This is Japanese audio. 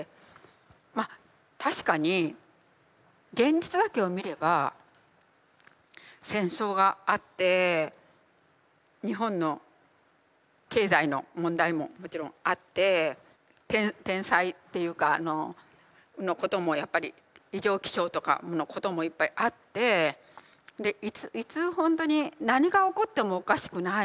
まあ確かに現実だけを見れば戦争があって日本の経済の問題ももちろんあって天災っていうかのこともやっぱり異常気象とかのこともいっぱいあっていつほんとに何が起こってもおかしくない。